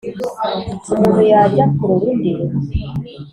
umuntu yajya kurora undi